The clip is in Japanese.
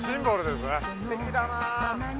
すてきだな。